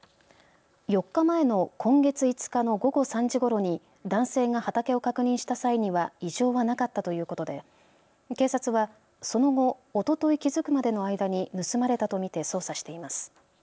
４日前の今月５日の午後３時ごろに男性が畑を確認した際には異常はなかったということで警察はその後、おととい気付くまでの間に盗まれたと見て捜査しています。